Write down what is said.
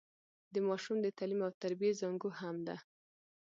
د ماشوم د تعليم او تربيې زانګو هم ده.